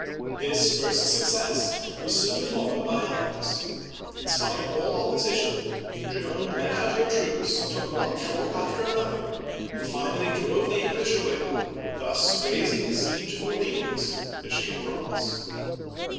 This first success was soon followed by others. In spite Digitized by VjOOQIC 192 OLD FRANCE of all opposition, Joan led out her troops, took one fort after another, and finally drove the English away, thus raising the siege of Orleans, as she had promised.